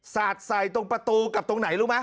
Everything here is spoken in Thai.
สาดใส่ตรงประตูกับตรงไหนรู้ไหม